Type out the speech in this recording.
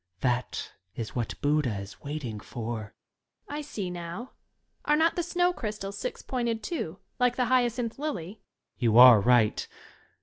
That is what Buddha is waiting for ! Young Lady. I see now Are not the snow crystals six pointed, too, like the hyacinth lily? Student. You are right